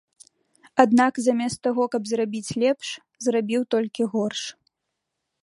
Аднак замест таго, каб зрабіць лепш, зрабіў толькі горш.